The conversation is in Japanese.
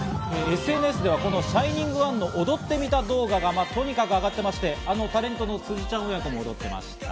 ＳＮＳではこの『ＳｈｉｎｉｎｇＯｎｅ』の踊ってみた動画がとにかく上がってまして、タレントの辻ちゃん親子も踊ってました。